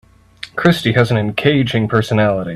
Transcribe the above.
Christy has an engaging personality.